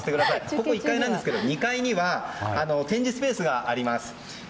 ここ、１階なんですが２階には展示スペースがあります。